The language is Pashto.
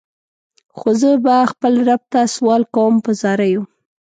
خو زه به خپل رب ته سوال کوم په زاریو.